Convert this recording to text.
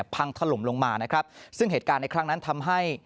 พังถล่มลงมานะครับซึ่งเหตุการณ์ในครั้งนั้นทำให้